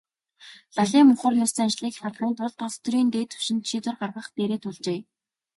Лалын мухар ес заншлыг халахын тулд улс төрийн дээд түвшинд шийдвэр гаргах дээрээ тулжээ.